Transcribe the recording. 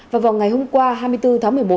và vào ngày hôm qua hai mươi bốn tháng một mươi một